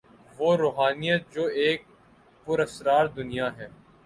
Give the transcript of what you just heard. وہ روحانیت جو ایک پراسرار دنیا ہے۔